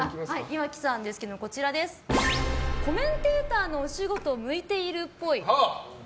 岩城さんですけどコメンテーターのお仕事向いているっぽい。